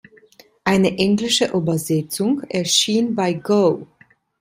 Eine englische Übersetzung erschien bei Go!